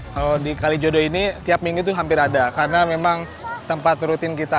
kalau di kalijodo ini tiap minggu itu hampir ada karena memang tempat rutin kita